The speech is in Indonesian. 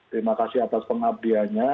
terima kasih atas pengabdianya